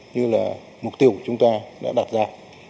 như là mục tiêu của chúng ta đã đạt ra